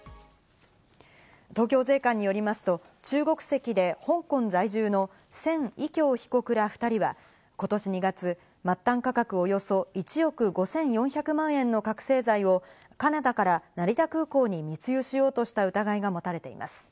東京税関によりますと中国籍で香港在住のセン・イキョウ被告ら２人は、今年２月、末端価格およそ１億５４００万円の覚醒剤をカナダから成田空港に密輸しようとした疑いが持たれています。